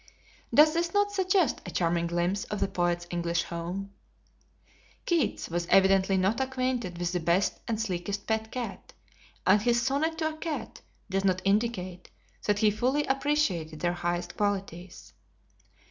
Does this not suggest a charming glimpse of the poet's English home? Keats was evidently not acquainted with the best and sleekest pet cat, and his "Sonnet to a Cat" does not indicate that he fully appreciated their higher qualities.